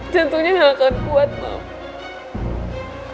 jantungnya gak akan kuat mak